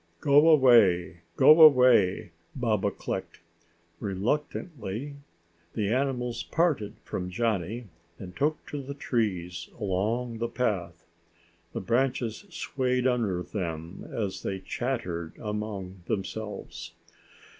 "Go away! Go away!" Baba clicked. Reluctantly the animals parted from Johnny and took to the trees along the path. The branches swayed under them as they chattered among themselves.